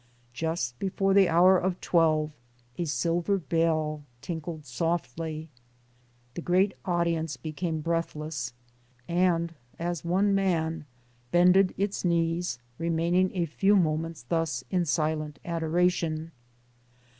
Just before the hour of twelve, a silver bell tinkled softly. The great audience became breathless and, as one man, bended its knees, remaining a few moments thus in silent adoration.